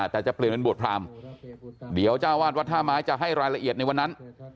แต่จะเปลี่ยนเป็นบวชพรามเดี๋ยวเจ้าวาดวัดท่าไม้จะให้รายละเอียดในวันนั้น